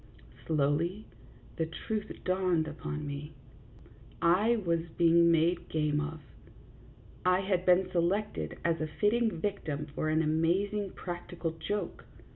Slowly the truth dawned upon me : I was being made game of; I had been selected as a fitting victim for an amazing practical joke.